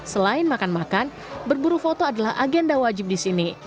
selain makan makan berburu foto adalah agenda wajib di sini